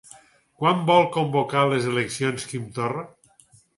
Quan vol convocar les eleccions Quim Torra?